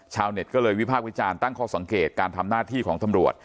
ชาวเน็ตก็เลยวิพากษ์วิจารณ์ตั้งข้อสังเกตการทำหน้าที่ของตำรวจ